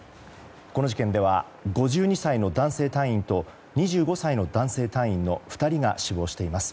この事件では５２歳の男性隊員と２５歳の男性隊員の２人が死亡しています。